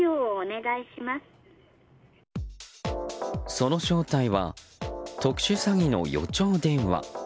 その正体は特殊詐欺の予兆電話。